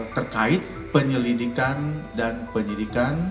terkait penyelidikan dan penyidikan